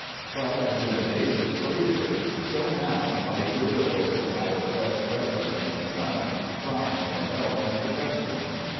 But, as in the days of slavery, so now, I hear the voice of my oppressed brethren in the South, crying for help and protection.